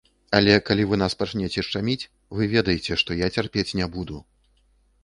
Але калі вы нас пачнеце шчаміць, вы ведаеце, што я цярпець не буду.